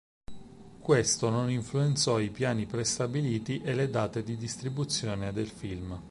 Questo non influenzò i piani prestabiliti e le date di distribuzione del film.